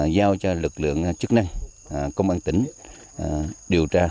giao cho lực lượng chức năng công an tỉnh điều tra